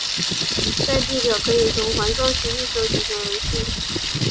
在地表可以从环状区域收集天然气。